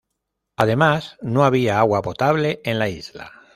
Además, no había agua potable en la isla.